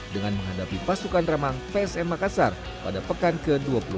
dengan menghadapi pasukan remang psm makassar pada pekan ke dua puluh dua